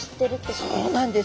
そうなんです。